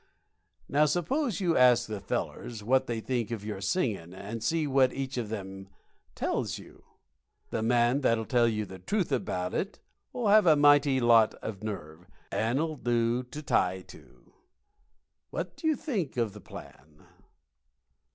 Now, suppose you ask the fellers what they think of your singin', and see what each one of 'em tells you. The man that'll tell you the truth about it'll have a mighty lot of nerve, and 'll do to tie to. What do you think of the plan?"